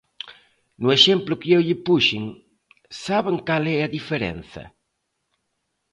No exemplo que eu lle puxen, ¿saben cal é a diferenza?